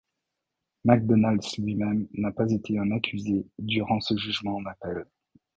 McDonald's lui-même n'a pas été un accusé durant ce jugement en appel.